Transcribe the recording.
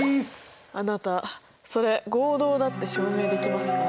あなたそれ合同だって証明できますか？